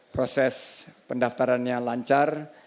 proses pendaftarannya lancar